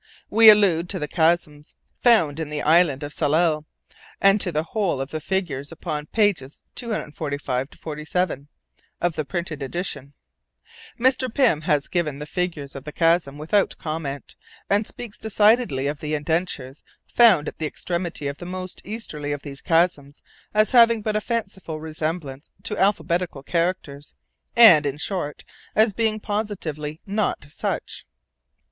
We allude to the chasms found in the island of Tsalal, and to the whole of the figures upon pages 245 47 {of the printed edition—ed.}. (Note: No figures were included with this text) Mr. Pym has given the figures of the chasms without comment, and speaks decidedly of the _indentures_found at the extremity of the most easterly of these chasms as having but a fanciful resemblance to alphabetical characters, and, in short, as being positively _not such.